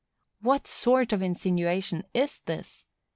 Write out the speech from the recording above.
What sort of an insinuation is this?